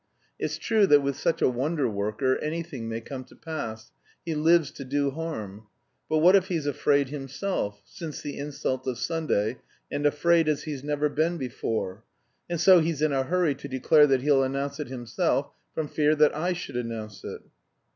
"It's true that with such a wonder worker anything may come to pass; he lives to do harm. But what if he's afraid himself, since the insult of Sunday, and afraid as he's never been before? And so he's in a hurry to declare that he'll announce it himself, from fear that I should announce it.